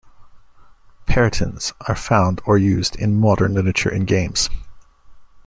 Perytons are found or used in modern literature and games.